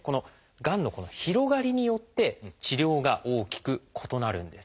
がんの広がりによって治療が大きく異なるんです。